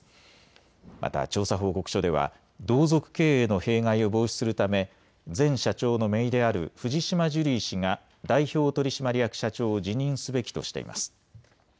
また調査報告書では同族経営の弊害を防止するため前社長のめいである藤島ジュリー氏が代表取締役社長を辞任すべきとしています。